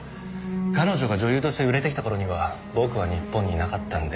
彼女が女優として売れてきた頃には僕は日本にいなかったんで。